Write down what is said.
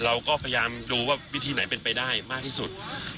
เราก็พยายามดูว่าวิธีไหนเป็นไปได้มากที่สุด